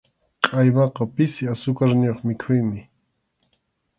Qʼaymaqa pisi asukarniyuq mikhuymi.